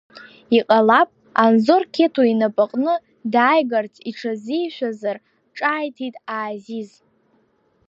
Иҟалап, Анзор Қьеҭо инапаҟны дааигарц иҽазишәазар, ҿааиҭит Аазиз.